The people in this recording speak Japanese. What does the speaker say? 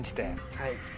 はい。